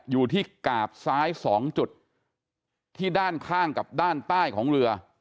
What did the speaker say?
อยู่ที่กาบซ้าย๒จุดที่ด้านข้างกับด้านใต้ของเรือ